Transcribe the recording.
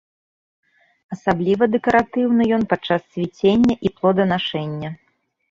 Асабліва дэкаратыўны ён падчас цвіцення і плоданашэння.